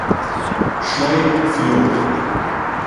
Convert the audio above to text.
Schley Fjord.